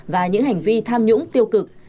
và những hành vi tham nhũng tiêu cực